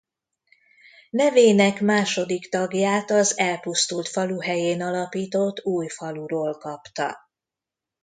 Nevének második tagját az elpusztult falu helyén alapított új faluról kapta.